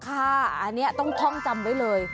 อันนี้ต้องท่องจำไว้เลย